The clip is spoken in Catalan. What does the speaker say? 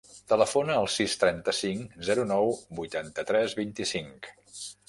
Telefona al sis, trenta-cinc, zero, nou, vuitanta-tres, vint-i-cinc.